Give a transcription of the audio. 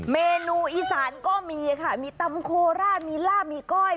เมนูอีสานก็มีค่ะมีตำโคราชมีลาบมีก้อย